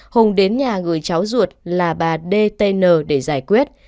hùng đến nhà gửi cháu ruột là bà dtn để giải quyết